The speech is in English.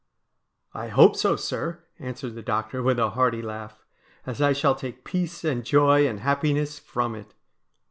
' I hope so, sir,' answered the doctor with a hearty laugh, ' as I shall take peace, and joy, and happiness from it.'